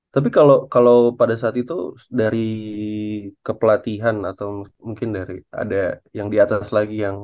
tapi kalau pada saat itu dari kepelatihan atau mungkin dari ada yang di atas lagi yang